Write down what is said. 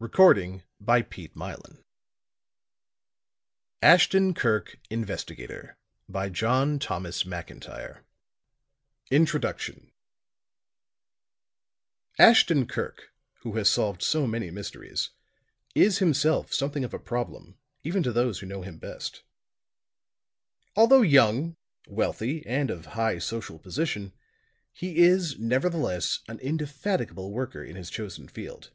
ILLUSTRATIONS BY RALPH L. BOYER PHILADELPHIA 1910 To my Friend GRANT GIBNEY INTRODUCTION Ashton Kirk, who has solved so many mysteries, is himself something of a problem even to those who know him best. Although young, wealthy, and of high social position, he is nevertheless an indefatigable worker in his chosen field.